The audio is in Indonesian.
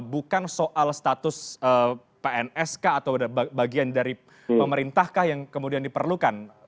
bukan soal status pns kah atau bagian dari pemerintah kah yang kemudian diperlukan